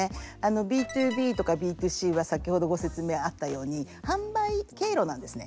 Ｂ２ＢとかＢ２Ｃは先ほどご説明あったように販売経路なんですね。